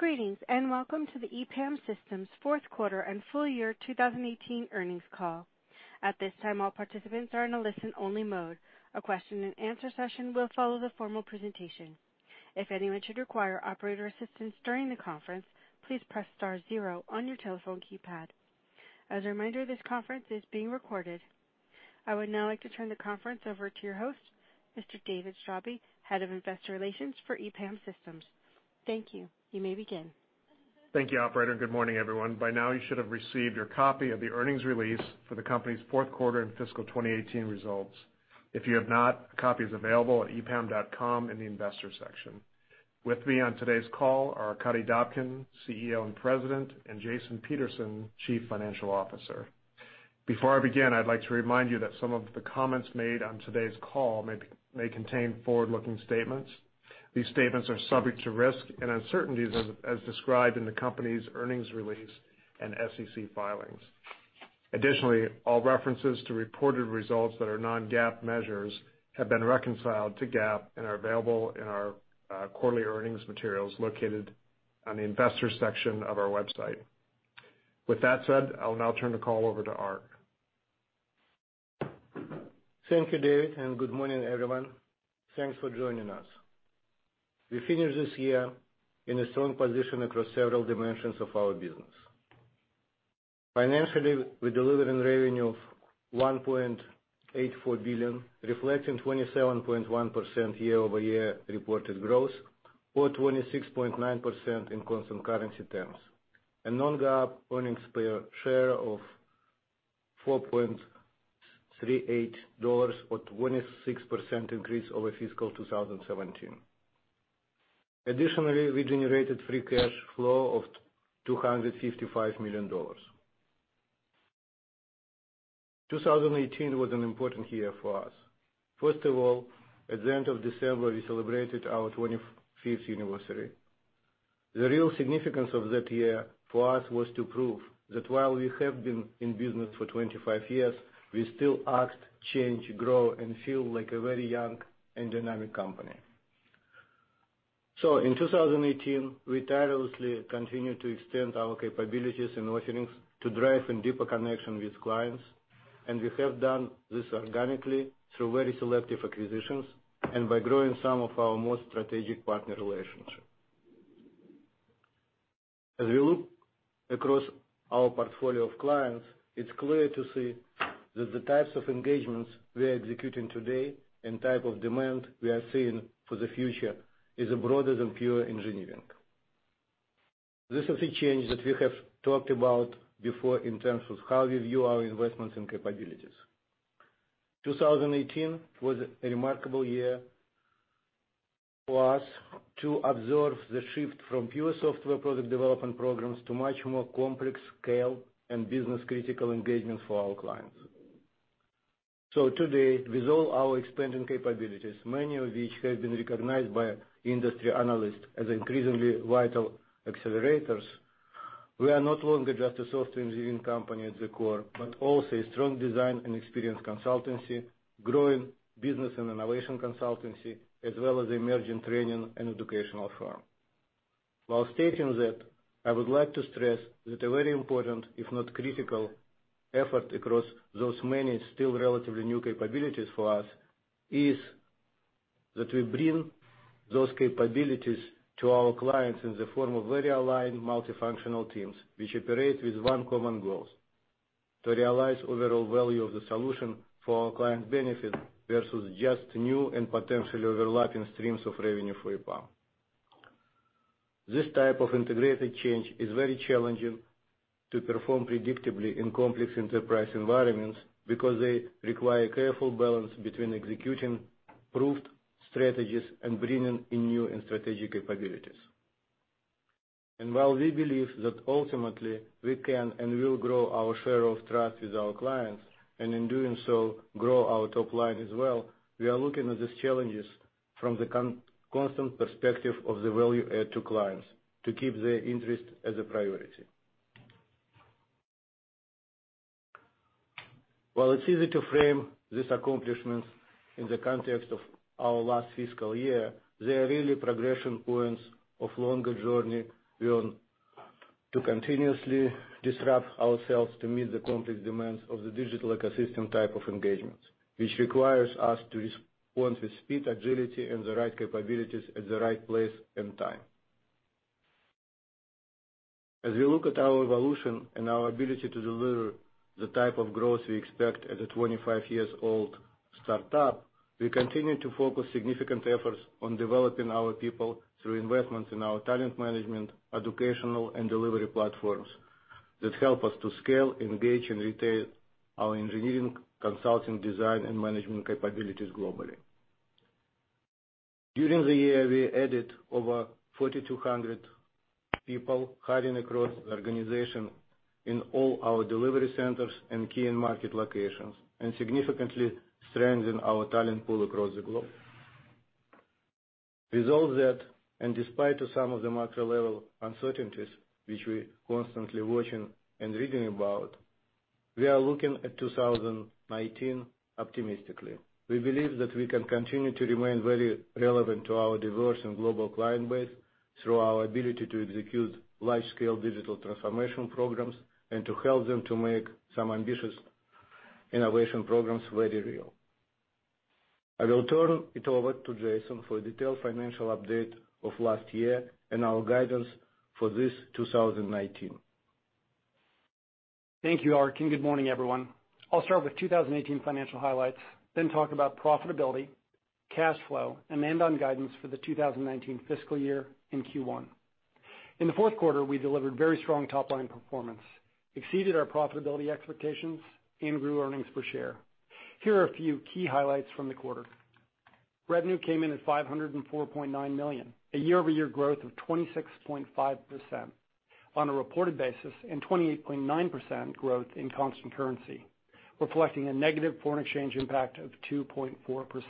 Greetings, and welcome to the EPAM Systems fourth quarter and full year 2018 earnings call. At this time, all participants are in a listen-only mode. A question and answer session will follow the formal presentation. If anyone should require operator assistance during the conference, please press star zero on your telephone keypad. As a reminder, this conference is being recorded. I would now like to turn the conference over to your host, Mr. David Straube, Head of Investor Relations for EPAM Systems. Thank you. You may begin. Thank you, operator, good morning, everyone. By now, you should have received your copy of the earnings release for the company's fourth quarter and fiscal 2018 results. If you have not, a copy is available at epam.com in the Investors section. With me on today's call are Arkadiy Dobkin, CEO and President, and Jason Peterson, Chief Financial Officer. Before I begin, I'd like to remind you that some of the comments made on today's call may contain forward-looking statements. These statements are subject to risk and uncertainties as described in the company's earnings release and SEC filings. Additionally, all references to reported results that are non-GAAP measures have been reconciled to GAAP and are available in our quarterly earnings materials located on the Investors section of our website. With that said, I'll now turn the call over to Arkadiy. Thank you, David, good morning, everyone. Thanks for joining us. We finish this year in a strong position across several dimensions of our business. Financially, we delivered in revenue of $1.84 billion, reflecting 27.1% year-over-year reported growth or 26.9% in constant currency terms. A non-GAAP earnings per share of $4.38 or 26% increase over fiscal 2017. Additionally, we generated free cash flow of $255 million. 2018 was an important year for us. First of all, at the end of December, we celebrated our 25th anniversary. The real significance of that year for us was to prove that while we have been in business for 25 years, we still act, change, grow, and feel like a very young and dynamic company. In 2018, we tirelessly continued to extend our capabilities and offerings to drive in deeper connection with clients, and we have done this organically through very selective acquisitions and by growing some of our most strategic partner relationships. As we look across our portfolio of clients, it's clear to see that the types of engagements we are executing today and type of demand we are seeing for the future is broader than pure engineering. This is a change that we have talked about before in terms of how we view our investments and capabilities. 2018 was a remarkable year for us to observe the shift from pure software product development programs to much more complex scale and business-critical engagements for our clients. Today, with all our expanding capabilities, many of which have been recognized by industry analysts as increasingly vital accelerators, we are no longer just a software engineering company at the core, but also a strong design and experience consultancy, growing business and innovation consultancy, as well as emerging training and educational firm. While stating that, I would like to stress that a very important, if not critical, effort across those many still relatively new capabilities for us is that we bring those capabilities to our clients in the form of very aligned multifunctional teams, which operate with one common goal, to realize overall value of the solution for our client benefit versus just new and potentially overlapping streams of revenue for EPAM. This type of integrated change is very challenging to perform predictably in complex enterprise environments because they require careful balance between executing proved strategies and bringing in new and strategic capabilities. While we believe that ultimately we can and will grow our share of trust with our clients, and in doing so, grow our top line as well, we are looking at these challenges from the constant perspective of the value add to clients to keep their interest as a priority. While it's easy to frame these accomplishments in the context of our last fiscal year, they are really progression points of longer journey. We want to continuously disrupt ourselves to meet the complex demands of the digital ecosystem type of engagements, which requires us to respond with speed, agility, and the right capabilities at the right place and time. As we look at our evolution and our ability to deliver the type of growth we expect as a 25-year-old startup, we continue to focus significant efforts on developing our people through investments in our talent management, educational, and delivery platforms that help us to scale, engage, and retain our engineering, consulting, design, and management capabilities globally. During the year, we added over 4,200 people hiring across the organization in all our delivery centers and key end market locations and significantly strengthen our talent pool across the globe. With all that, and despite some of the macro-level uncertainties, which we constantly watching and reading about. We are looking at 2019 optimistically. We believe that we can continue to remain very relevant to our diverse and global client base through our ability to execute large-scale digital transformation programs and to help them to make some ambitious innovation programs very real. I will turn it over to Jason for a detailed financial update of last year and our guidance for this 2019. Thank you, Arkadiy, and good morning, everyone. I'll start with 2018 financial highlights, then talk about profitability, cash flow, and end on guidance for the 2019 fiscal year in Q1. In the fourth quarter, we delivered very strong top-line performance, exceeded our profitability expectations, and grew earnings per share. Here are a few key highlights from the quarter. Revenue came in at $504.9 million, a year-over-year growth of 26.5% on a reported basis, and 28.9% growth in constant currency, reflecting a negative foreign exchange impact of 2.4%.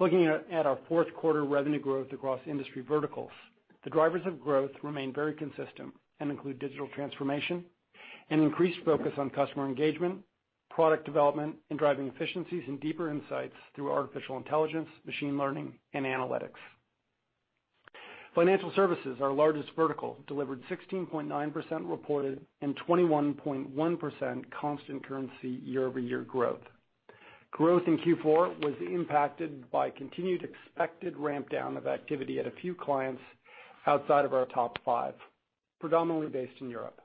Looking at our fourth quarter revenue growth across industry verticals, the drivers of growth remain very consistent and include digital transformation, an increased focus on customer engagement, product development, and driving efficiencies and deeper insights through artificial intelligence, machine learning, and analytics. Financial services, our largest vertical, delivered 16.9% reported and 21.1% constant currency year-over-year growth. Growth in Q4 was impacted by continued expected ramp down of activity at a few clients outside of our top five, predominantly based in Europe.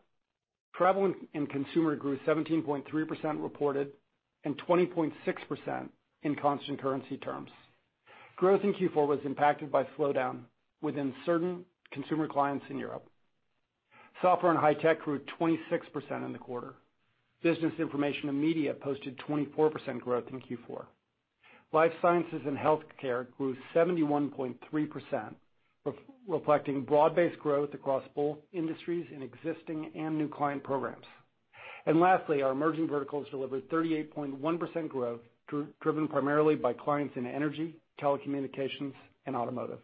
Travel and consumer grew 17.3% reported and 20.6% in constant currency terms. Growth in Q4 was impacted by slowdown within certain consumer clients in Europe. Software and high tech grew 26% in the quarter. Business information and media posted 24% growth in Q4. Life sciences and healthcare grew 71.3%, reflecting broad-based growth across both industries in existing and new client programs. Lastly, our emerging verticals delivered 38.1% growth, driven primarily by clients in energy, telecommunications, and automotive.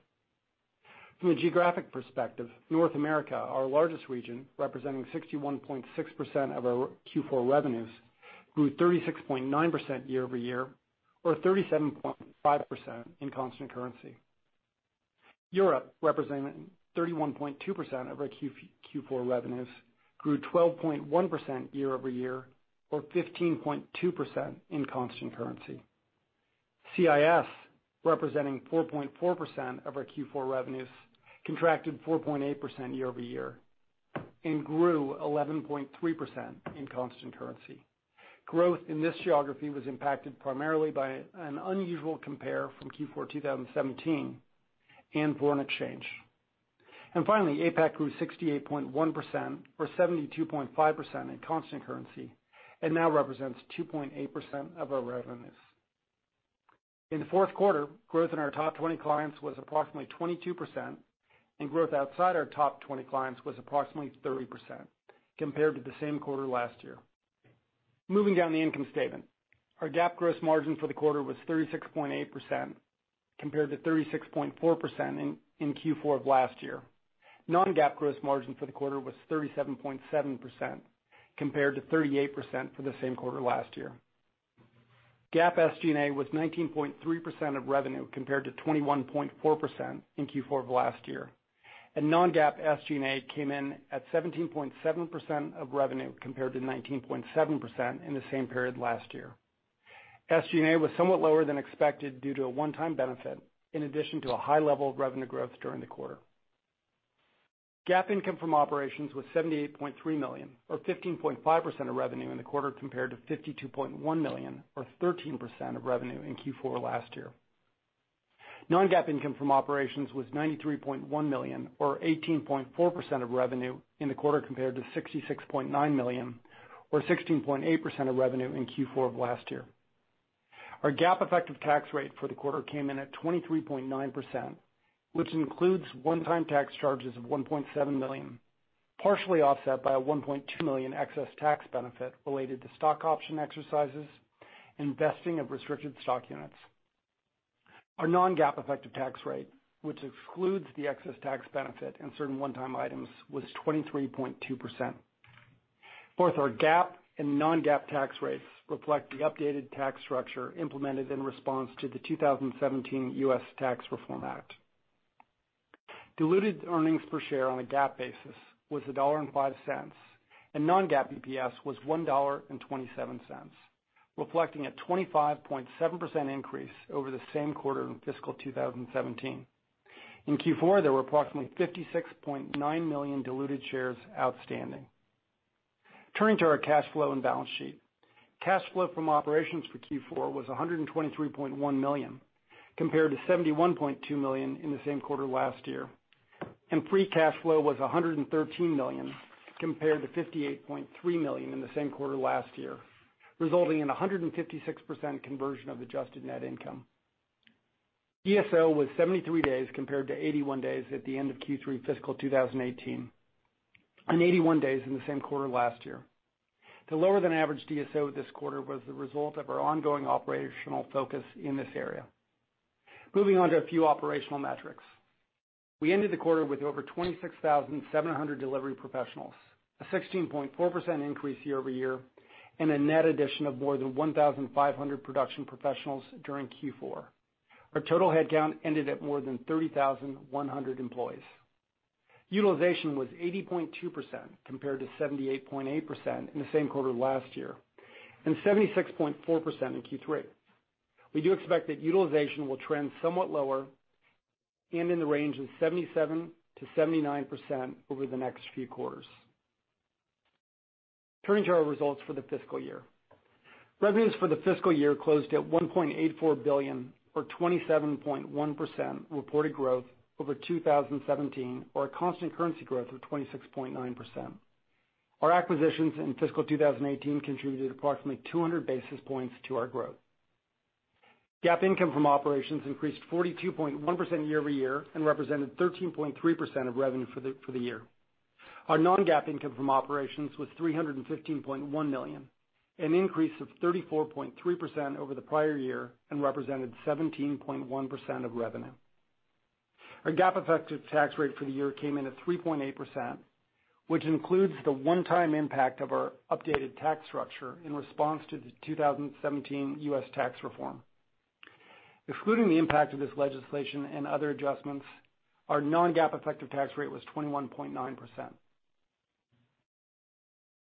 From a geographic perspective, North America, our largest region, representing 61.6% of our Q4 revenues, grew 36.9% year-over-year or 37.5% in constant currency. Europe, representing 31.2% of our Q4 revenues, grew 12.1% year-over-year or 15.2% in constant currency. CIS, representing 4.4% of our Q4 revenues, contracted 4.8% year-over-year and grew 11.3% in constant currency. Growth in this geography was impacted primarily by an unusual compare from Q4 2017 and foreign exchange. Finally, APAC grew 68.1% or 72.5% in constant currency and now represents 2.8% of our revenues. In the fourth quarter, growth in our top 20 clients was approximately 22%, and growth outside our top 20 clients was approximately 30% compared to the same quarter last year. Moving down the income statement. Our GAAP gross margin for the quarter was 36.8% compared to 36.4% in Q4 of last year. Non-GAAP gross margin for the quarter was 37.7% compared to 38% for the same quarter last year. GAAP SG&A was 19.3% of revenue compared to 21.4% in Q4 of last year. Non-GAAP SG&A came in at 17.7% of revenue compared to 19.7% in the same period last year. SG&A was somewhat lower than expected due to a one-time benefit in addition to a high level of revenue growth during the quarter. GAAP income from operations was $78.3 million or 15.5% of revenue in the quarter compared to $52.1 million or 13% of revenue in Q4 last year. Non-GAAP income from operations was $93.1 million or 18.4% of revenue in the quarter compared to $66.9 million or 16.8% of revenue in Q4 of last year. Our GAAP effective tax rate for the quarter came in at 23.9%, which includes one-time tax charges of $1.7 million, partially offset by a $1.2 million excess tax benefit related to stock option exercises and vesting of restricted stock units. Our non-GAAP effective tax rate, which excludes the excess tax benefit and certain one-time items, was 23.2%. Fourth, our GAAP and non-GAAP tax rates reflect the updated tax structure implemented in response to the 2017 U.S. Tax Reform Act. Diluted earnings per share on a GAAP basis was $1.05, and non-GAAP EPS was $1.27, reflecting a 25.7% increase over the same quarter in fiscal 2017. In Q4, there were approximately 56.9 million diluted shares outstanding. Turning to our cash flow and balance sheet. Cash flow from operations for Q4 was $123.1 million compared to $71.2 million in the same quarter last year, and free cash flow was $113 million compared to $58.3 million in the same quarter last year, resulting in 156% conversion of adjusted net income. DSO was 73 days compared to 81 days at the end of Q3 fiscal 2018 and 81 days in the same quarter last year. The lower than average DSO this quarter was the result of our ongoing operational focus in this area. Moving on to a few operational metrics. We ended the quarter with over 26,700 delivery professionals, a 16.4% increase year-over-year, and a net addition of more than 1,500 production professionals during Q4. Our total headcount ended at more than 30,100 employees. Utilization was 80.2% compared to 78.8% in the same quarter last year, and 76.4% in Q3. We do expect that utilization will trend somewhat lower and in the range of 77%-79% over the next few quarters. Turning to our results for the fiscal year. Revenues for the fiscal year closed at $1.84 billion, or 27.1% reported growth over 2017, or a constant currency growth of 26.9%. Our acquisitions in fiscal 2018 contributed approximately 200 basis points to our growth. GAAP income from operations increased 42.1% year-over-year and represented 13.3% of revenue for the year. Our non-GAAP income from operations was $315.1 million, an increase of 34.3% over the prior year and represented 17.1% of revenue. Our GAAP effective tax rate for the year came in at 3.8%, which includes the one-time impact of our updated tax structure in response to the 2017 U.S. Tax Reform. Excluding the impact of this legislation and other adjustments, our non-GAAP effective tax rate was 21.9%.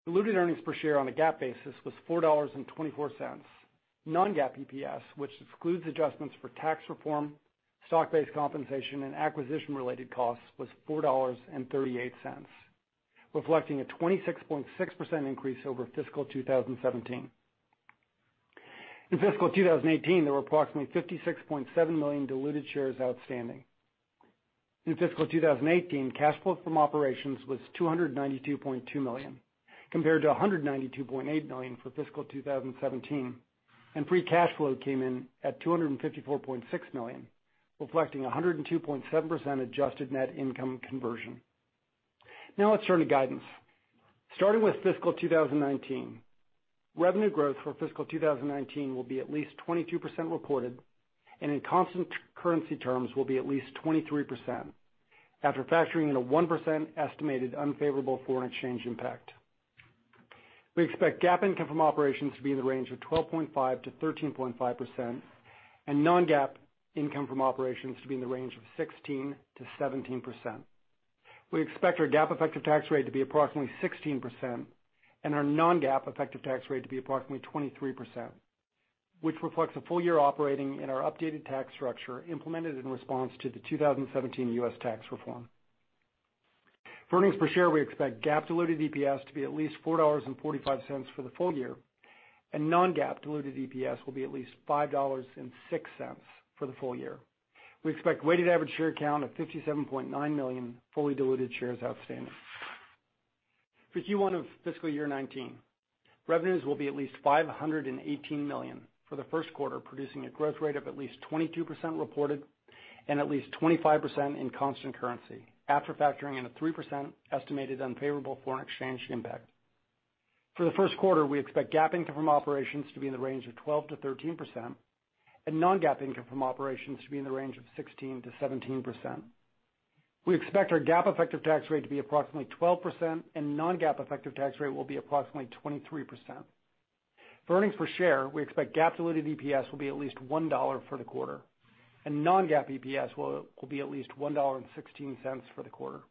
Diluted earnings per share on a GAAP basis was $4.24. Non-GAAP EPS, which excludes adjustments for tax reform, stock-based compensation, and acquisition-related costs, was $4.38, reflecting a 26.6% increase over fiscal 2017. In fiscal 2018, there were approximately 56.7 million diluted shares outstanding. In fiscal 2018, cash flow from operations was $292.2 million, compared to $192.8 million for fiscal 2017, and free cash flow came in at $254.6 million, reflecting 102.7% adjusted net income conversion. Now let's turn to guidance. Starting with fiscal 2019, revenue growth for fiscal 2019 will be at least 22% reported and in constant currency terms will be at least 23% after factoring in a 1% estimated unfavorable foreign exchange impact. We expect GAAP income from operations to be in the range of 12.5%-13.5% and non-GAAP income from operations to be in the range of 16%-17%. We expect our GAAP effective tax rate to be approximately 16% and our non-GAAP effective tax rate to be approximately 23%, which reflects a full year operating in our updated tax structure implemented in response to the 2017 U.S. tax reform. For earnings per share, we expect GAAP diluted EPS to be at least $4.45 for the full year, and non-GAAP diluted EPS will be at least $5.06 for the full year. We expect weighted average share count of 57.9 million fully diluted shares outstanding. For Q1 of fiscal year 2019, revenues will be at least $518 million for the first quarter, producing a growth rate of at least 22% reported and at least 25% in constant currency after factoring in a 3% estimated unfavorable foreign exchange impact. For the first quarter, we expect GAAP income from operations to be in the range of 12%-13% and non-GAAP income from operations to be in the range of 16%-17%. We expect our GAAP effective tax rate to be approximately 12%, and non-GAAP effective tax rate will be approximately 23%. For earnings per share, we expect GAAP diluted EPS will be at least $1 for the quarter, and non-GAAP EPS will be at least $1.16 for the quarter.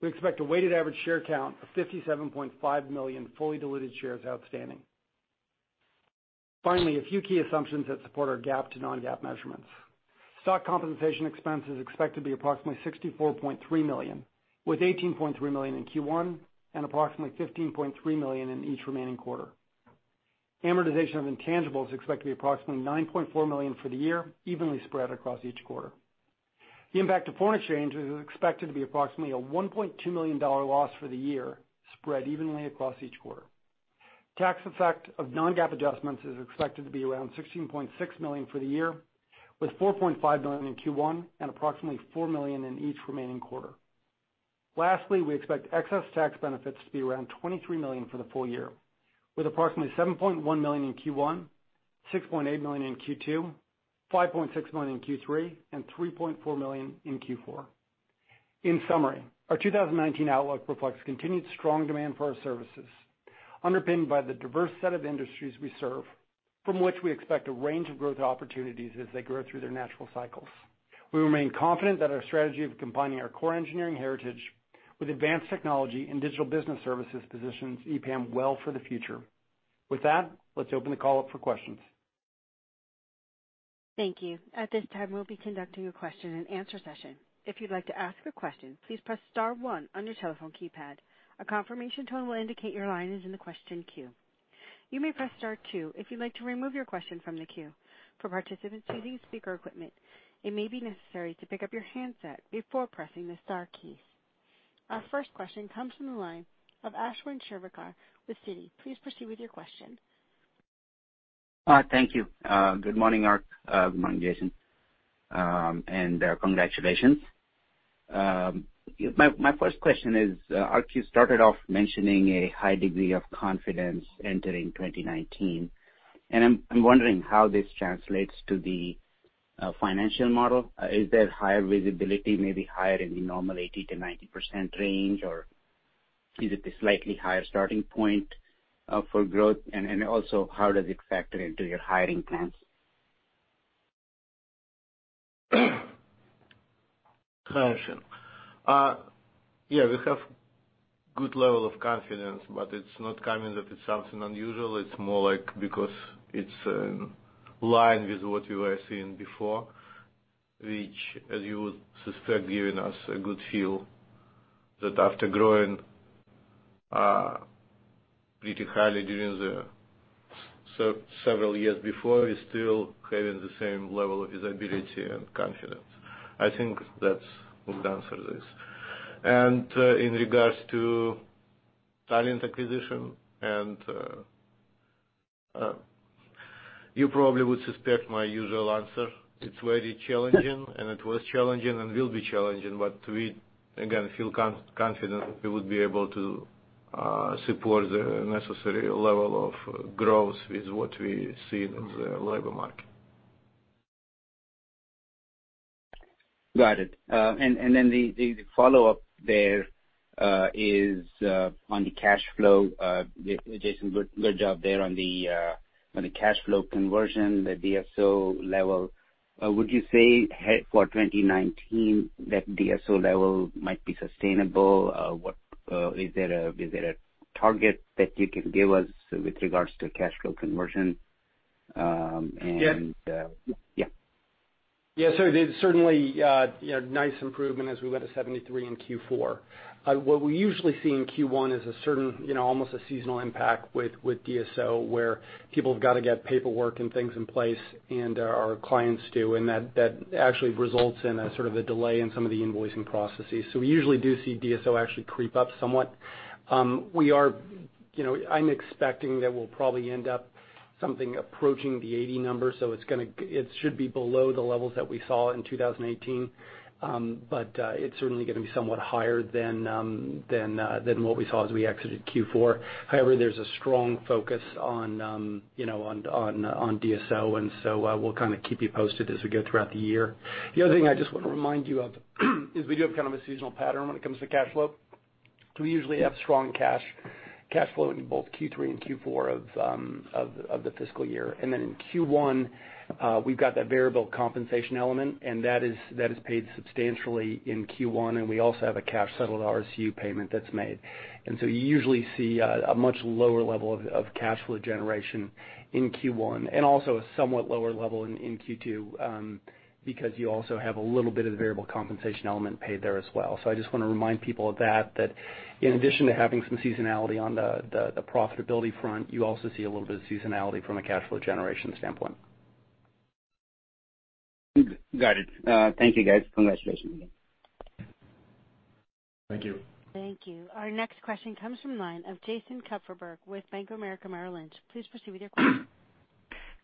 We expect a weighted average share count of 57.5 million fully diluted shares outstanding. Finally, a few key assumptions that support our GAAP to non-GAAP measurements. Stock compensation expense is expected to be approximately $64.3 million, with $18.3 million in Q1 and approximately $15.3 million in each remaining quarter. Amortization of intangibles is expected to be approximately $9.4 million for the year, evenly spread across each quarter. The impact of foreign exchange is expected to be approximately a $1.2 million loss for the year, spread evenly across each quarter. Tax effect of non-GAAP adjustments is expected to be around $16.6 million for the year, with $4.5 million in Q1 and approximately $4 million in each remaining quarter. Lastly, we expect excess tax benefits to be around $23 million for the full year, with approximately $7.1 million in Q1, $6.8 million in Q2, $5.6 million in Q3, and $3.4 million in Q4. In summary, our 2019 outlook reflects continued strong demand for our services, underpinned by the diverse set of industries we serve from which we expect a range of growth opportunities as they grow through their natural cycles. We remain confident that our strategy of combining our core engineering heritage with advanced technology and digital business services positions EPAM well for the future. With that, let's open the call up for questions. Thank you. At this time, we'll be conducting a question and answer session. If you'd like to ask a question, please press star one on your telephone keypad. A confirmation tone will indicate your line is in the question queue. You may press star two if you'd like to remove your question from the queue. For participants using speaker equipment, it may be necessary to pick up your handset before pressing the star keys. Our first question comes from the line of Ashwin Shirvaikar with Citi. Please proceed with your question. Thank you. Good morning, Arkadiy. Good morning, Jason, and congratulations. My first question is, Arkadiy started off mentioning a high degree of confidence entering 2019. I'm wondering how this translates to the financial model. Is there higher visibility, maybe higher in the normal 80%-90% range, or is it a slightly higher starting point for growth? Also, how does it factor into your hiring plans? Got you. Yeah, we have good level of confidence, but it's not coming that it's something unusual. It's more like because it's in line with what you were seeing before, which, as you would suspect, giving us a good feel that after growing pretty highly during the several years before, we're still having the same level of visibility and confidence. I think that would answer this. In regards to talent acquisition, you probably would suspect my usual answer. It's very challenging, and it was challenging and will be challenging, but we again, feel confident we would be able to support the necessary level of growth with what we see in the labor market. Got it. Then the follow-up there is on the cash flow. Jason, good job there on the cash flow conversion, the DSO level. Would you say for 2019 that DSO level might be sustainable? Is there a target that you can give us with regards to cash flow conversion? Yeah. Yeah. There's certainly nice improvement as we went to 73 in Q4. What we usually see in Q1 is almost a seasonal impact with DSO, where people have got to get paperwork and things in place, and our clients do, and that actually results in a delay in some of the invoicing processes. We usually do see DSO actually creep up somewhat. I'm expecting that we'll probably end up something approaching the 80 number, so it should be below the levels that we saw in 2018. It's certainly going to be somewhat higher than what we saw as we exited Q4. However, there's a strong focus on DSO, and we'll keep you posted as we go throughout the year. The other thing I just want to remind you of is we do have kind of a seasonal pattern when it comes to cash flow. We usually have strong cash flow in both Q3 and Q4 of the fiscal year. In Q1, we've got that variable compensation element, and that is paid substantially in Q1, and we also have a cash settled RSU payment that's made. You usually see a much lower level of cash flow generation in Q1, and also a somewhat lower level in Q2, because you also have a little bit of the variable compensation element paid there as well. I just want to remind people of that in addition to having some seasonality on the profitability front, you also see a little bit of seasonality from a cash flow generation standpoint. Got it. Thank you, guys. Congratulations again. Thank you. Thank you. Our next question comes from the line of Jason Kupferberg with Bank of America Merrill Lynch. Please proceed with your question.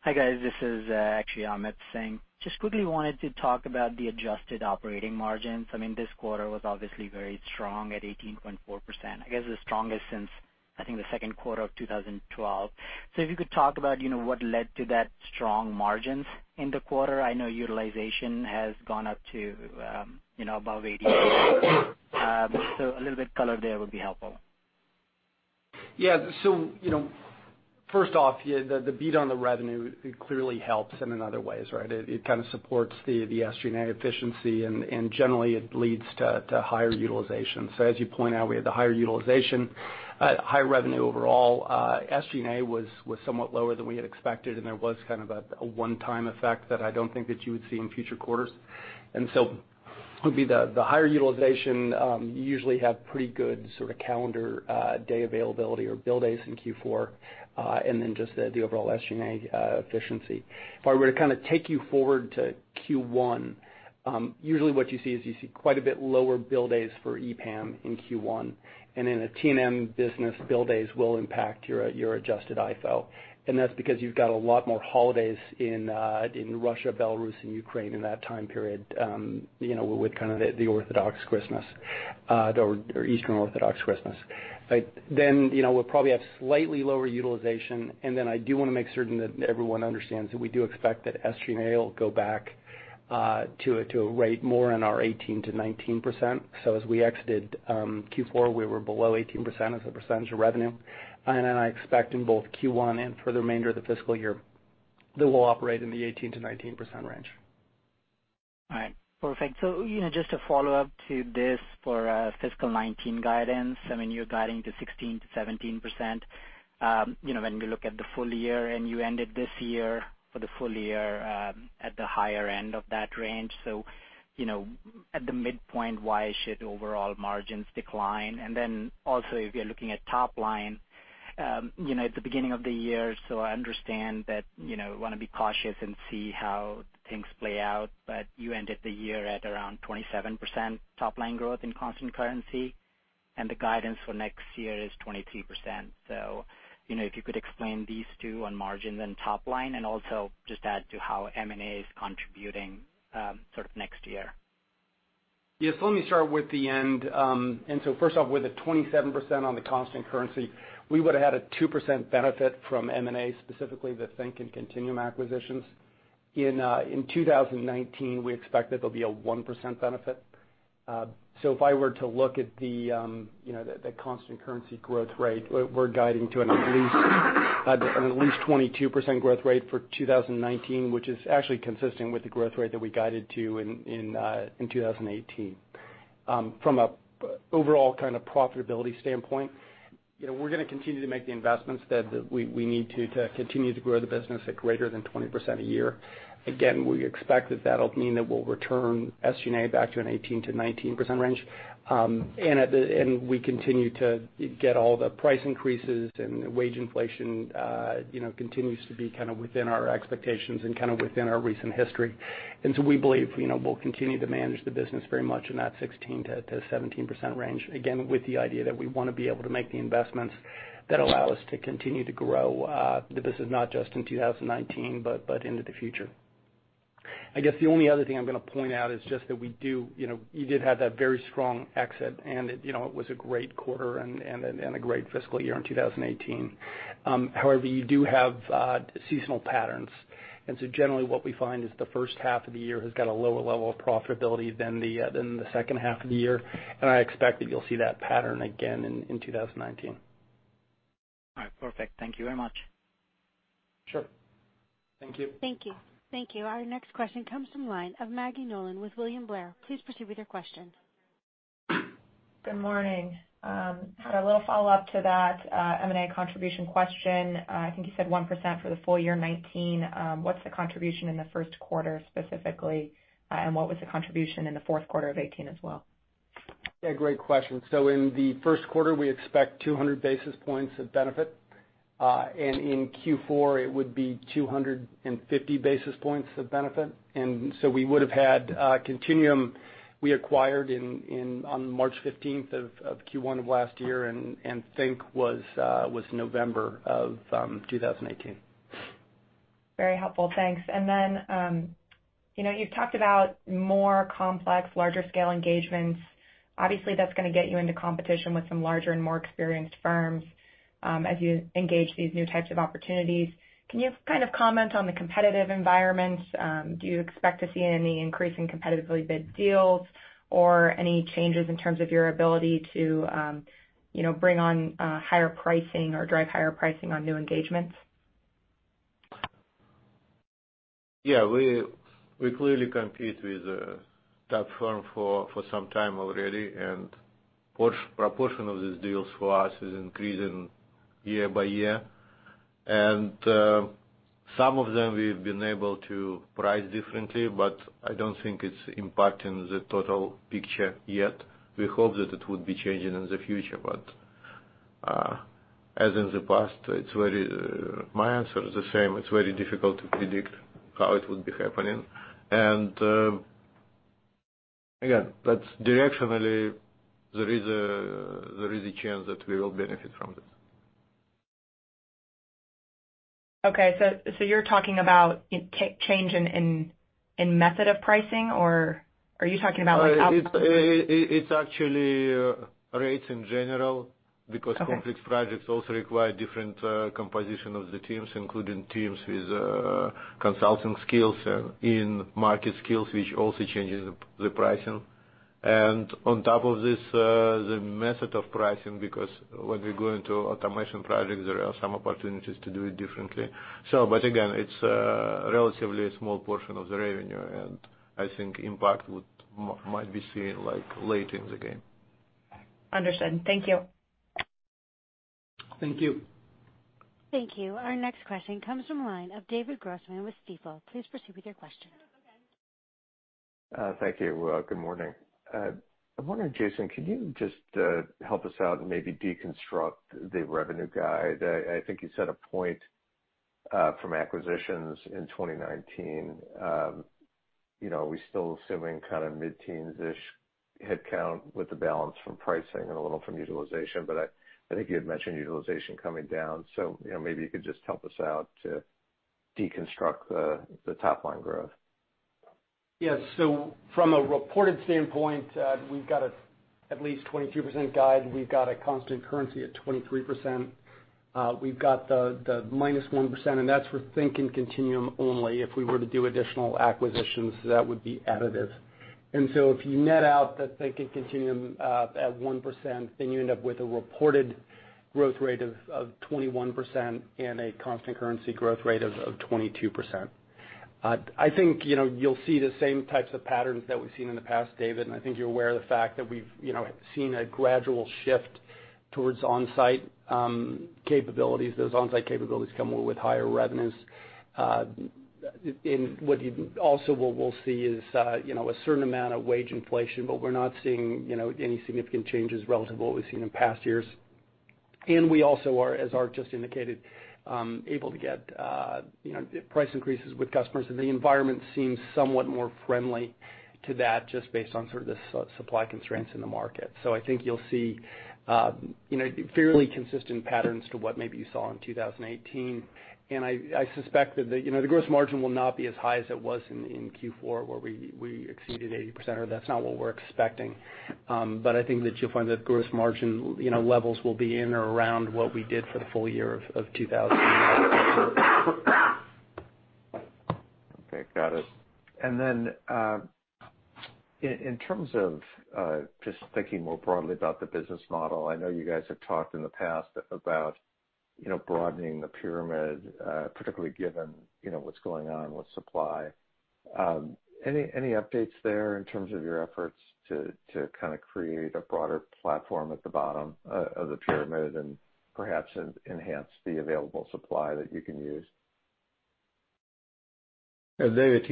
Hi, guys. This is actually Amit Singh. Just quickly wanted to talk about the adjusted operating margins. This quarter was obviously very strong at 18.4%. I guess the strongest since, I think, the second quarter of 2012. If you could talk about what led to that strong margins in the quarter. I know utilization has gone up to above 80. A little bit color there would be helpful. First off, the beat on the revenue clearly helps and in other ways, right? It kind of supports the SG&A efficiency, generally it leads to higher utilization. As you point out, we had the higher utilization, higher revenue overall. SG&A was somewhat lower than we had expected, there was kind of a one-time effect that I don't think that you would see in future quarters. It would be the higher utilization, you usually have pretty good sort of calendar day availability or bill days in Q4, then just the overall SG&A efficiency. If I were to take you forward to Q1, usually what you see is you see quite a bit lower bill days for EPAM in Q1. In a T&M business, bill days will impact your adjusted IFO. That's because you've got a lot more holidays in Russia, Belarus, and Ukraine in that time period, with kind of the Orthodox Christmas, or Eastern Orthodox Christmas. We'll probably have slightly lower utilization, I do want to make certain that everyone understands that we do expect that SG&A will go back to a rate more in our 18%-19%. As we exited Q4, we were below 18% as a percentage of revenue. Then I expect in both Q1 and for the remainder of the fiscal year that we'll operate in the 18%-19% range. All right. Perfect. Just a follow-up to this for fiscal 2019 guidance. You're guiding to 16%-17%, when we look at the full year, and you ended this year for the full year at the higher end of that range. At the midpoint, why should overall margins decline? Also, if you're looking at top line, at the beginning of the year, I understand that you want to be cautious and see how things play out, but you ended the year at around 27% top-line growth in constant currency. The guidance for next year is 23%. If you could explain these two on margin then top line, and also just add to how M&A is contributing sort of next year. Yes, let me start with the end. First off, with the 27% on the constant currency, we would've had a 2% benefit from M&A, specifically the TH_NK and Continuum acquisitions. In 2019, we expect that there'll be a 1% benefit. If I were to look at the constant currency growth rate, we're guiding to an at least 22% growth rate for 2019, which is actually consistent with the growth rate that we guided to in 2018. From an overall kind of profitability standpoint, we're going to continue to make the investments that we need to continue to grow the business at greater than 20% a year. Again, we expect that that'll mean that we'll return SG&A back to an 18%-19% range. We continue to get all the price increases and wage inflation continues to be kind of within our expectations and kind of within our recent history. We believe we'll continue to manage the business very much in that 16%-17% range, again, with the idea that we want to be able to make the investments that allow us to continue to grow. This is not just in 2019, but into the future. I guess the only other thing I'm going to point out is just that we did have that very strong exit and it was a great quarter and a great fiscal year in 2018. However, you do have seasonal patterns, generally what we find is the first half of the year has got a lower level of profitability than the second half of the year. I expect that you'll see that pattern again in 2019. All right. Perfect. Thank you very much. Sure. Thank you. Thank you. Our next question comes from the line of Maggie Nolan with William Blair. Please proceed with your question. Good morning. Had a little follow-up to that M&A contribution question. I think you said 1% for the full year 2019. What's the contribution in the first quarter specifically? What was the contribution in the fourth quarter of 2018 as well? In the first quarter, we expect 200 basis points of benefit. In Q4 it would be 250 basis points of benefit. We would've had Continuum, we acquired on March 15th of Q1 of last year, and TH_NK was November of 2018. Very helpful. Thanks. You've talked about more complex, larger scale engagements. Obviously, that's going to get you into competition with some larger and more experienced firms, as you engage these new types of opportunities. Can you kind of comment on the competitive environments? Do you expect to see any increase in competitively bid deals or any changes in terms of your ability to bring on higher pricing or drive higher pricing on new engagements? We clearly compete with top firm for some time already, proportion of these deals for us is increasing year by year. Some of them we've been able to price differently, but I don't think it's impacting the total picture yet. We hope that it would be changing in the future, but as in the past, my answer is the same. It's very difficult to predict how it would be happening. Again, that's directionally, there is a chance that we will benefit from this. Okay, you're talking about change in method of pricing, or are you talking about like output? It's actually rates in general. Okay Complex projects also require different composition of the teams, including teams with consulting skills and in-market skills, which also changes the pricing. On top of this, the method of pricing, because when we go into automation projects, there are some opportunities to do it differently. Again, it's a relatively small portion of the revenue, and I think impact might be seen like late in the game. Understood. Thank you. Thank you. Thank you. Our next question comes from the line of David Grossman with Stifel. Please proceed with your question. Thank you. Good morning. I'm wondering, Jason, can you just help us out and maybe deconstruct the revenue guide? I think you said one point from acquisitions in 2019. Are we still assuming kind of mid-teens-ish headcount with the balance from pricing and a little from utilization? I think you had mentioned utilization coming down, so maybe you could just help us out to deconstruct the top-line growth. Yeah. From a reported standpoint, we've got at least 22% guide. We've got a constant currency at 23%. We've got the -1%, and that's for TH_NK and Continuum only. If we were to do additional acquisitions, that would be additive. If you net out the TH_NK and Continuum at 1%, then you end up with a reported growth rate of 21% and a constant currency growth rate of 22%. I think you'll see the same types of patterns that we've seen in the past, David, I think you're aware of the fact that we've seen a gradual shift towards on-site capabilities. Those on-site capabilities come with higher revenues. Also what we'll see is a certain amount of wage inflation, but we're not seeing any significant changes relative to what we've seen in past years. We also are, as Arkadiy just indicated, able to get price increases with customers, and the environment seems somewhat more friendly to that just based on sort of the supply constraints in the market. I think you'll see fairly consistent patterns to what maybe you saw in 2018. I suspect that the gross margin will not be as high as it was in Q4, where we exceeded 80%, or that's not what we're expecting. I think that you'll find that gross margin levels will be in or around what we did for the full year of 2018. Okay. Got it. In terms of just thinking more broadly about the business model, I know you guys have talked in the past about broadening the pyramid, particularly given what's going on with supply. Any updates there in terms of your efforts to kind of create a broader platform at the bottom of the pyramid and perhaps enhance the available supply that you can use? Yeah, David,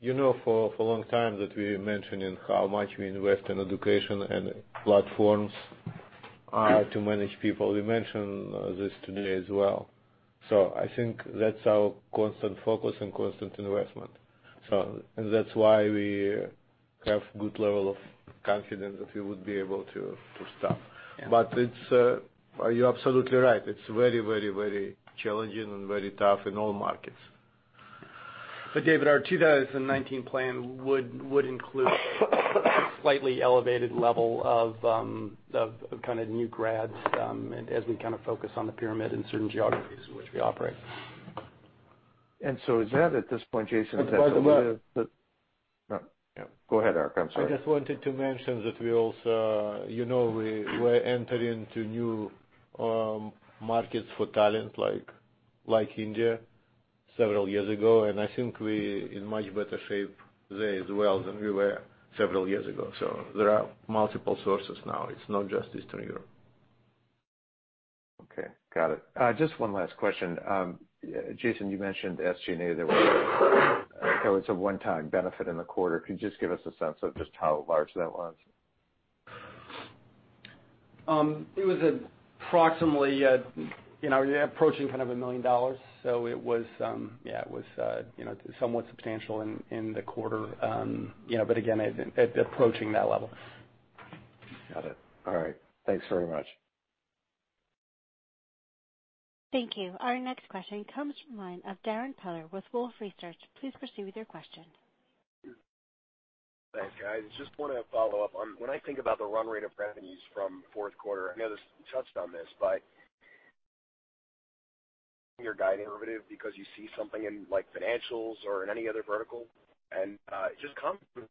you know for a long time that we mentioned in how much we invest in education and platforms to manage people. We mentioned this today as well. I think that's our constant focus and constant investment. That's why we have good level of confidence that we would be able to staff. Yeah. You're absolutely right. It's very challenging and very tough in all markets. David, our 2019 plan would include a slightly elevated level of kind of new grads, as we kind of focus on the pyramid in certain geographies in which we operate. Is that at this point, Jason? By the way. No. Yeah, go ahead, Arkadiy. I'm sorry. I just wanted to mention that we also entered into new markets for talent, like India several years ago, and I think we're in much better shape there as well than we were several years ago. There are multiple sources now. It's not just Eastern Europe. Okay. Got it. Just one last question. Jason, you mentioned SG&A, there was a one-time benefit in the quarter. Could you just give us a sense of just how large that was? It was approximately approaching kind of $1 million. It was somewhat substantial in the quarter. Again, approaching that level. Got it. All right. Thanks very much. Thank you. Our next question comes from the line of Darrin Peller with Wolfe Research. Please proceed with your question. Thanks, guys. Just wanted to follow up on when I think about the run rate of revenues from fourth quarter, I know this touched on this, but your guide derivative, because you see something in Financials or in any other vertical, and just come from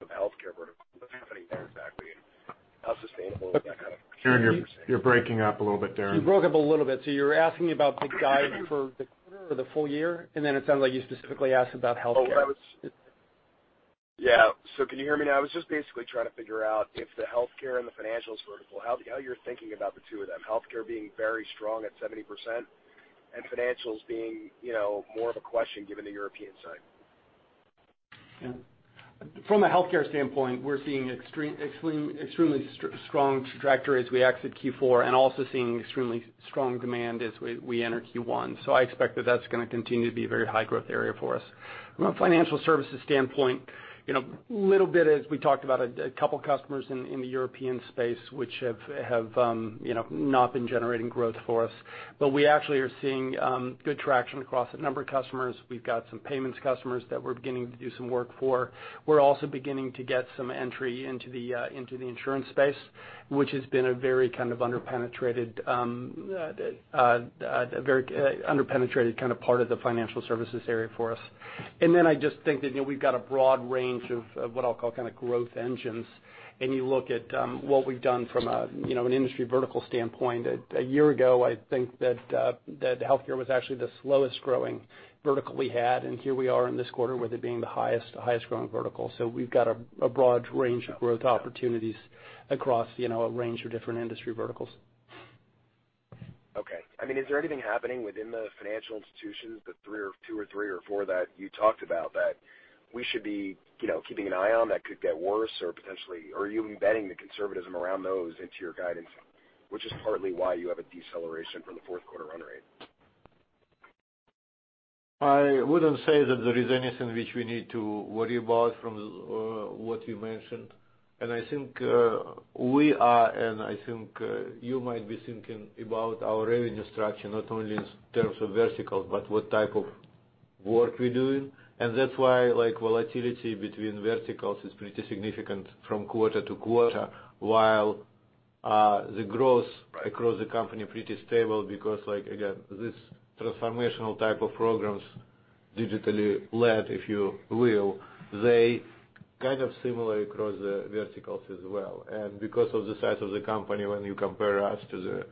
the Healthcare vertical, what's happening there exactly, and how sustainable is that kind of? You're breaking up a little bit, Darrin. You broke up a little bit. You're asking about the guide for the quarter or the full year, and then it sounds like you specifically asked about Healthcare. Oh, that was Yeah. Can you hear me now? I was just basically trying to figure out if the Healthcare and the Financials vertical, how you're thinking about the two of them, Healthcare being very strong at 70% and Financials being more of a question given the European side. Yeah. From a healthcare standpoint, we're seeing extremely strong trajectory as we exit Q4 and also seeing extremely strong demand as we enter Q1. I expect that that's going to continue to be a very high-growth area for us. From a financial services standpoint, little bit as we talked about a couple customers in the European space, which have not been generating growth for us, but we actually are seeing good traction across a number of customers. We've got some payments customers that we're beginning to do some work for. We're also beginning to get some entry into the insurance space, which has been a very kind of under-penetrated kind of part of the financial services area for us. I just think that we've got a broad range of what I'll call kind of growth engines, and you look at what we've done from an industry vertical standpoint. A year ago, I think that healthcare was actually the slowest growing vertical we had, and here we are in this quarter with it being the highest growing vertical. We've got a broad range of growth opportunities across a range of different industry verticals. Okay. Is there anything happening within the financial institutions, the two or three or four that you talked about that we should be keeping an eye on that could get worse or potentially, are you embedding the conservatism around those into your guidance, which is partly why you have a deceleration from the fourth quarter run rate? I wouldn't say that there is anything which we need to worry about from what you mentioned. I think we are, and I think you might be thinking about our revenue structure, not only in terms of verticals, but what type of work we're doing. That's why volatility between verticals is pretty significant from quarter to quarter, while the growth across the company pretty stable because, again, this transformational type of programs digitally led, if you will, they kind of similar across the verticals as well. Because of the size of the company, when you compare us to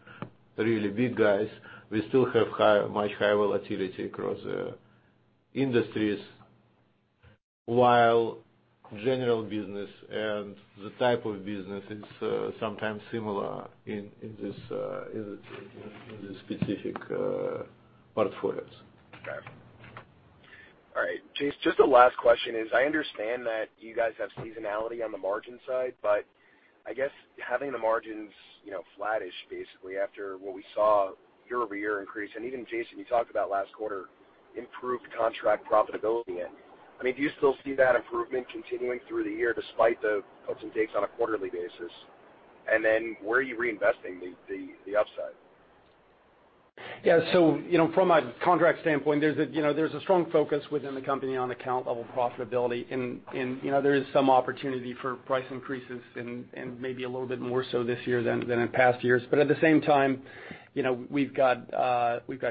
the really big guys, we still have much higher volatility across the industries, while general business and the type of business is sometimes similar in the specific portfolios. Got it. All right. Jason, just the last question is, I understand that you guys have seasonality on the margin side, I guess having the margins flattish basically after what we saw year-over-year increase, even Jason, you talked about last quarter, improved contract profitability. Do you still see that improvement continuing through the year despite the ups and downs on a quarterly basis? Where are you reinvesting the upside? Yeah. From a contract standpoint, there's a strong focus within the company on account level profitability, there is some opportunity for price increases and maybe a little bit more so this year than in past years. At the same time, we've got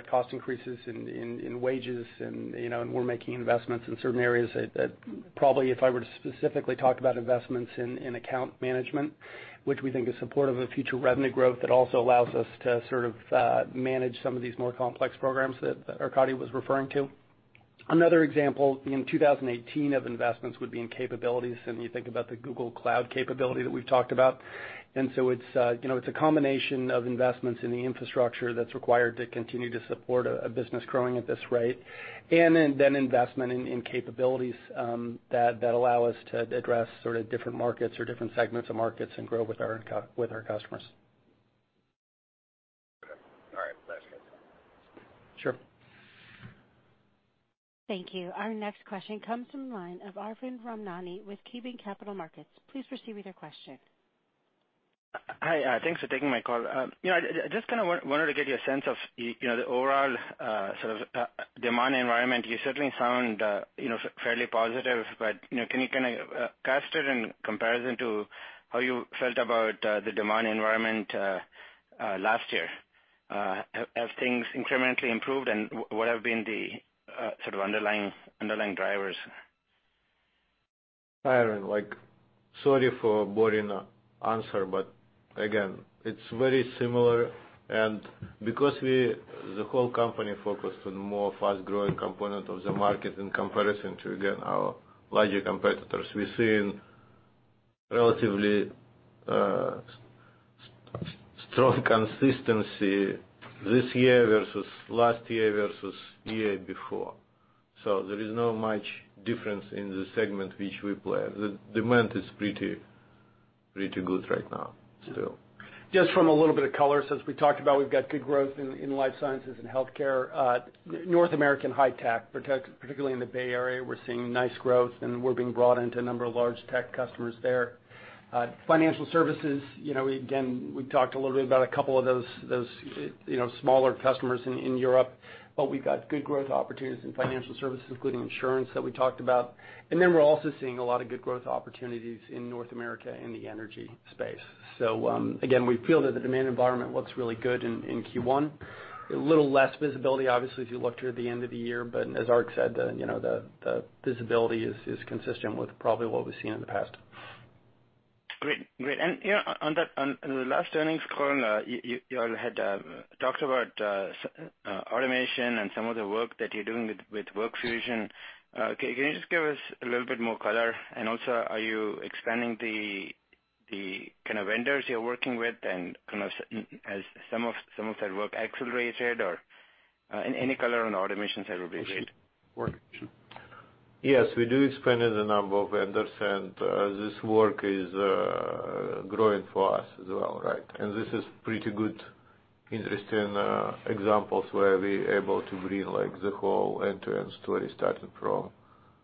cost increases in wages, we're making investments in certain areas that probably, if I were to specifically talk about investments in account management, which we think is supportive of future revenue growth, that also allows us to sort of manage some of these more complex programs that Arkadiy was referring to. Another example in 2018 of investments would be in capabilities, you think about the Google Cloud capability that we've talked about. It's a combination of investments in the infrastructure that's required to continue to support a business growing at this rate, investment in capabilities that allow us to address sort of different markets or different segments of markets and grow with our customers. Okay. All right. Thanks. Sure. Thank you. Our next question comes from the line of Arvind Ramnani with KeyBanc Capital Markets. Please proceed with your question. Hi. Thanks for taking my call. I just kind of wanted to get your sense of the overall sort of demand environment. You certainly sound fairly positive, but can you kind of cast it in comparison to how you felt about the demand environment last year? Have things incrementally improved and what have been the sort of underlying drivers? Arvind, sorry for boring answer. Again, it's very similar. Because the whole company focused on more fast-growing component of the market in comparison to, again, our larger competitors, we're seeing relatively strong consistency this year versus last year versus the year before. There is not much difference in the segment which we play. The demand is pretty good right now still. Just from a little bit of color, since we talked about we've got good growth in life sciences and healthcare. North American high tech, particularly in the Bay Area, we're seeing nice growth, and we're being brought into a number of large tech customers there. Financial services, again, we talked a little bit about a couple of those smaller customers in Europe, but we've got good growth opportunities in financial services, including insurance that we talked about. We're also seeing a lot of good growth opportunities in North America in the energy space. Again, we feel that the demand environment looks really good in Q1. A little less visibility, obviously, as you look toward the end of the year, but as Arkadiy said, the visibility is consistent with probably what we've seen in the past. Great. On the last earnings call, you all had talked about automation and some of the work that you're doing with WorkFusion. Can you just give us a little bit more color? Also, are you expanding the kind of vendors you're working with and has some of that work accelerated? Any color on the automation side would be great. Yes, we do expand the number of vendors, this work is growing for us as well, right? This is pretty good, interesting examples where we're able to bring the whole end-to-end story, starting from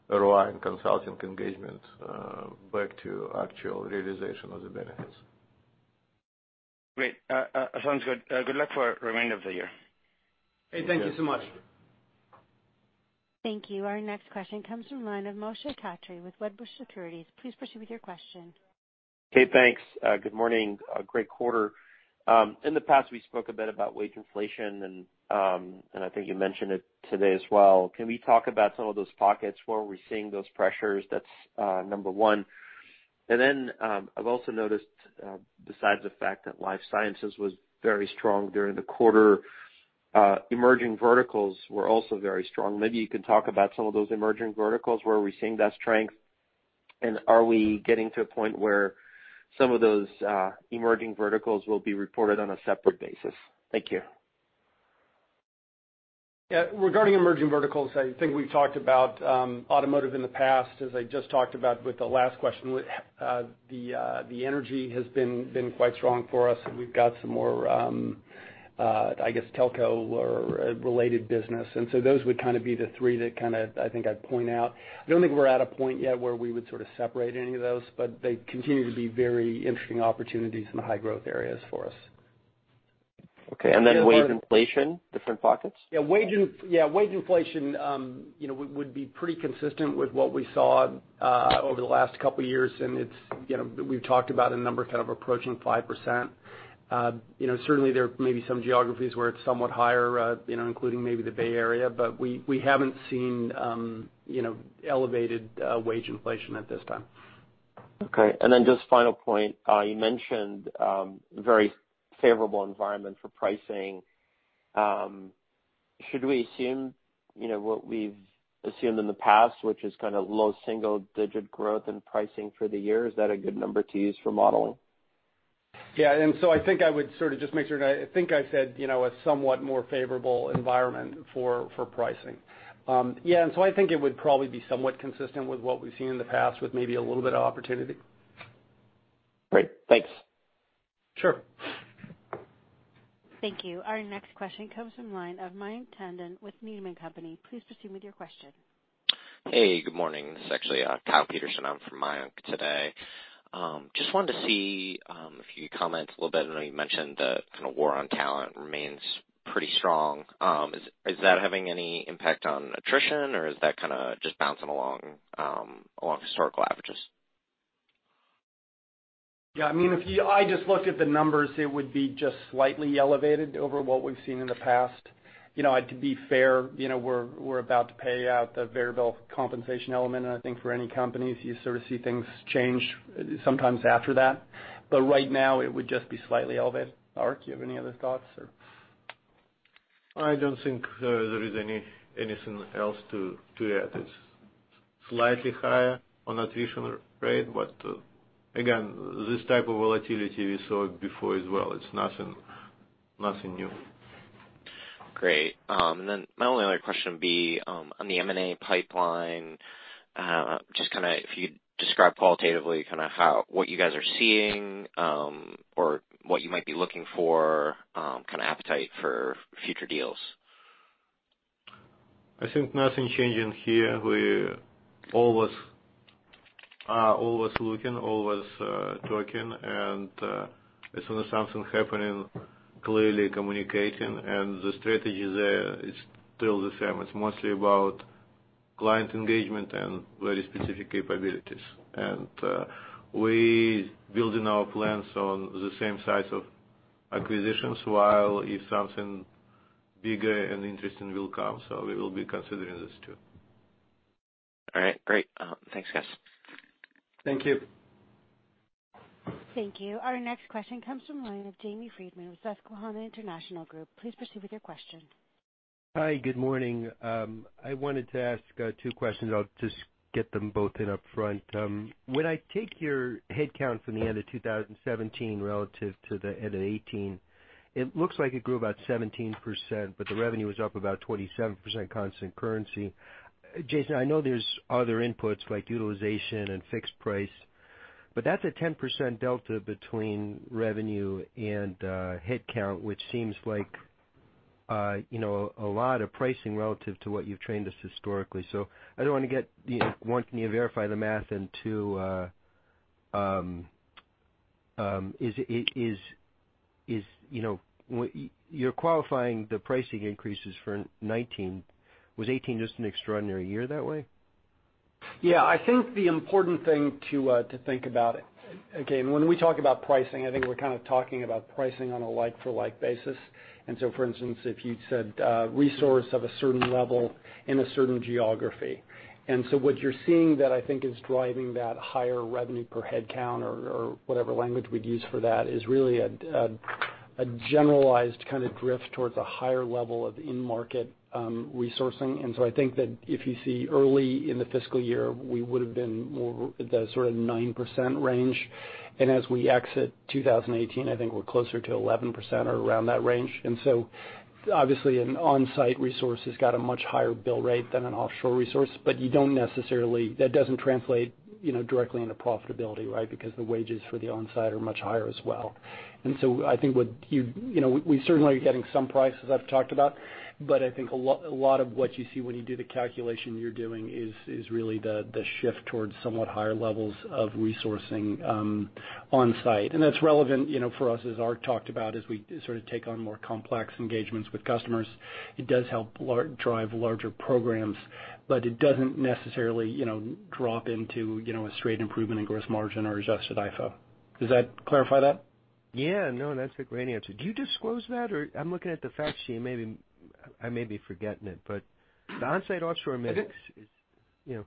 ROI and consulting engagement back to actual realization of the benefits. Great. Sounds good. Good luck for the remainder of the year. Hey, thank you so much. Thank you. Our next question comes from the line of Moshe Katri with Wedbush Securities. Please proceed with your question. Okay, thanks. Good morning. A great quarter. In the past, we spoke a bit about wage inflation. I think you mentioned it today as well. Can we talk about some of those pockets where we're seeing those pressures? That's number one. I've also noticed, besides the fact that life sciences was very strong during the quarter, emerging verticals were also very strong. Maybe you can talk about some of those emerging verticals, where are we seeing that strength, and are we getting to a point where some of those emerging verticals will be reported on a separate basis? Thank you. Yeah. Regarding emerging verticals, I think we've talked about automotive in the past, as I just talked about with the last question. The Energy has been quite strong for us, and we've got some more, I guess, telco or related business. Those would kind of be the three that I think I'd point out. I don't think we're at a point yet where we would sort of separate any of those, but they continue to be very interesting opportunities in the high-growth areas for us. Okay. Wage inflation, different pockets? Yeah. Wage inflation would be pretty consistent with what we saw over the last couple of years, and we've talked about a number kind of approaching 5%. Certainly, there may be some geographies where it's somewhat higher, including maybe the Bay Area, but we haven't seen elevated wage inflation at this time. Okay. Just final point. You mentioned a very favorable environment for pricing. Should we assume what we've assumed in the past, which is kind of low single-digit growth in pricing for the year? Is that a good number to use for modeling? Yeah. I think I would sort of just make sure, I think I said, a somewhat more favorable environment for pricing. Yeah. I think it would probably be somewhat consistent with what we've seen in the past, with maybe a little bit of opportunity. Great. Thanks. Sure. Thank you. Our next question comes from the line of Mayank Tandon with Needham & Company. Please proceed with your question. Hey, good morning. This is actually Kyle Peterson. I'm from Mayank today. Just wanted to see if you could comment a little bit, I know you mentioned the kind of war on talent remains pretty strong. Is that having any impact on attrition, or is that kind of just bouncing along historical averages? Yeah. If I just looked at the numbers, it would be just slightly elevated over what we've seen in the past. To be fair, we're about to pay out the variable compensation element, I think for any companies, you sort of see things change sometimes after that. Right now, it would just be slightly elevated. Arkadiy, you have any other thoughts, or? I don't think there is anything else to add. It's slightly higher on attrition rate. Again, this type of volatility we saw before as well. It's nothing new. Great. My only other question would be, on the M&A pipeline, just if you could describe qualitatively what you guys are seeing, or what you might be looking for, kind of appetite for future deals. I think nothing changing here. We are always looking, always talking, and as soon as something happening, clearly communicating. The strategy there is still the same. It's mostly about client engagement and very specific capabilities. We building our plans on the same size of acquisitions, while if something bigger and interesting will come, so we will be considering this too. All right, great. Thanks, guys. Thank you. Thank you. Our next question comes from the line of James Friedman with Susquehanna International Group. Please proceed with your question. Hi, good morning. I wanted to ask two questions. I'll just get them both in upfront. When I take your headcount from the end of 2017 relative to the end of 2018, it looks like it grew about 17%, but the revenue was up about 27% constant currency. Jason, I know there's other inputs like utilization and fixed price, but that's a 10% delta between revenue and headcount, which seems like a lot of pricing relative to what you've trained us historically. I want you to verify the math, and two, you're qualifying the pricing increases for 2019. Was 2018 just an extraordinary year that way? Yeah, I think the important thing to think about, again, when we talk about pricing, I think we're kind of talking about pricing on a like-for-like basis. For instance, if you said resource of a certain level in a certain geography. What you're seeing that I think is driving that higher revenue per headcount or whatever language we'd use for that, is really a generalized kind of drift towards a higher level of in-market resourcing. I think that if you see early in the fiscal year, we would've been more the sort of 9% range. As we exit 2018, I think we're closer to 11% or around that range. Obviously an onsite resource has got a much higher bill rate than an offshore resource, but that doesn't translate directly into profitability, right? Because the wages for the onsite are much higher as well. I think we certainly are getting some price, as I've talked about, but I think a lot of what you see when you do the calculation you're doing is really the shift towards somewhat higher levels of resourcing onsite. That's relevant for us, as Arkadiy talked about, as we sort of take on more complex engagements with customers. It does help drive larger programs, but it doesn't necessarily drop into a straight improvement in gross margin or adjusted IFO. Does that clarify that? Yeah, no, that's a great answer. Do you disclose that? I'm looking at the fact sheet and I may be forgetting it, but the onsite-offshore mix is.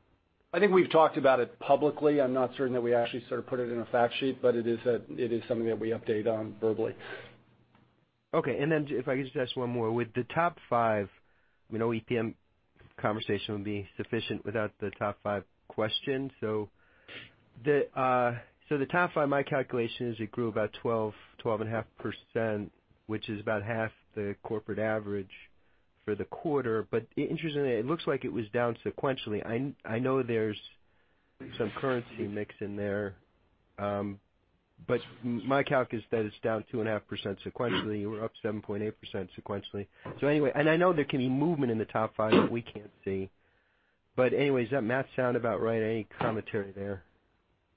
I think we've talked about it publicly. I'm not certain that we actually sort of put it in a fact sheet, but it is something that we update on verbally. Okay. If I could just ask one more. With the top five, no EPAM conversation would be sufficient without the top five questions. The top five, my calculation is it grew about 12.5%, which is about half the corporate average for the quarter. Interestingly, it looks like it was down sequentially. I know there's some currency mix in there. My calc is that it's down 2.5% sequentially or up 7.8% sequentially. I know there can be movement in the top five that we can't see. Does that math sound about right? Any commentary there?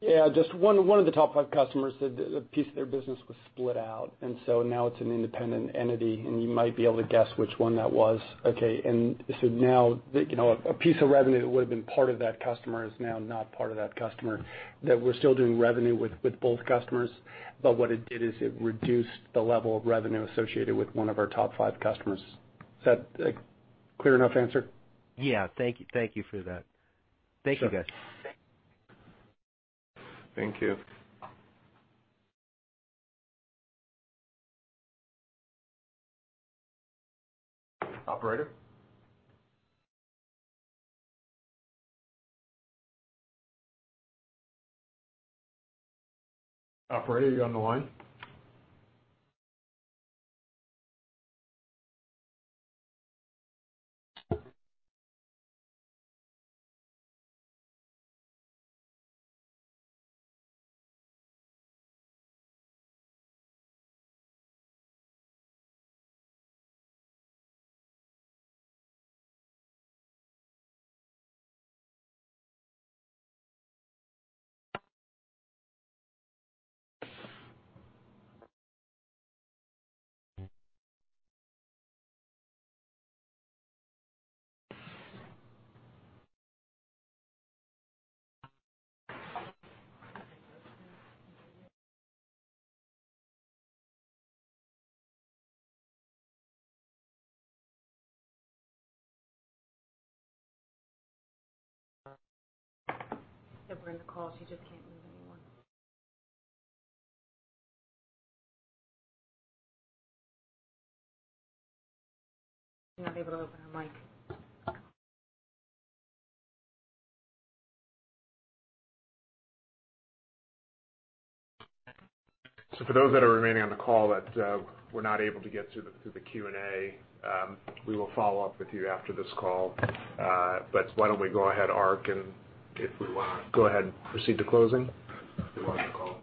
Yeah, just one of the top five customers, a piece of their business was split out, now it's an independent entity, you might be able to guess which one that was, okay? Now, a piece of revenue that would've been part of that customer is now not part of that customer, that we're still doing revenue with both customers. What it did is it reduced the level of revenue associated with one of our top five customers. Is that a clear enough answer? Yeah. Thank you for that. Thank you, guys. Thank you. Operator Operator, are you on the line? They're bringing the call. She just can't move anyone. She's not able to open her mic. For those that are remaining on the call that we're not able to get to through the Q&A, we will follow up with you after this call. Why don't we go ahead, Arkadiy, and if we want to go ahead and proceed to closing, if you want to call.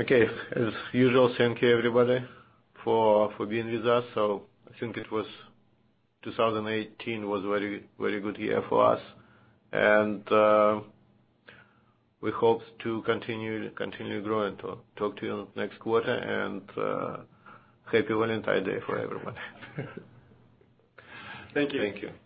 Okay. As usual, thank you everybody for being with us. I think 2018 was a very good year for us. We hope to continue growing. Talk to you next quarter. Happy Valentine's Day for everyone. Thank you. Thank you.